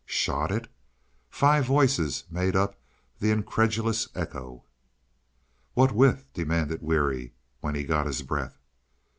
"Shot it!" Five voices made up the incredulous echo. "What with?" demanded Weary when he got his breath.